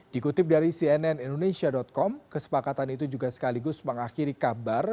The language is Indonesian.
dikutip dari cnn indonesia com kesepakatan itu juga sekaligus mengakhiri kabar